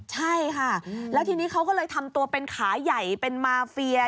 ใช่ค่ะแล้วทีนี้เขาก็เลยทำตัวเป็นขาใหญ่เป็นมาเฟีย